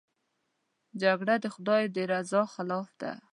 جګړه د خدای د رضا خلاف ده